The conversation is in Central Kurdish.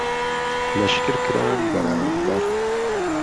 لهشکر کران بەرامبەر